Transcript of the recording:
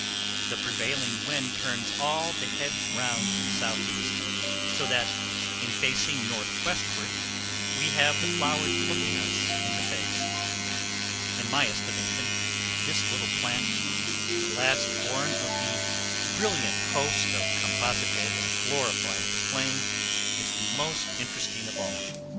The prevailing wind turns all the heads round to the southeast, so that in facing northwestward we have the flowers looking us in the face. In my estimation, this little plant, the last born of the brilliant host of compositae that glorify the plain, is the most interesting of all.